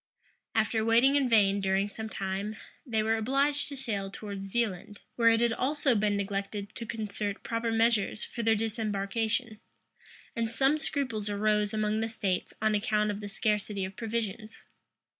After waiting in vain during some time, they were obliged to sail towards Zealand, where it had also been neglected to concert proper measures for their disembarkation; and some scruples arose among the states on account of the scarcity of provisions.